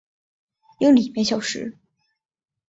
英里每小时。